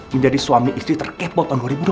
menjadi suami istri terkebol tahun dua ribu dua puluh